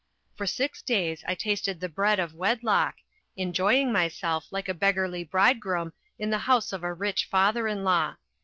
For six days I tasted the bread of wedlock, enjoying myself like a beggarly bridegroom in the house of a rich father in law.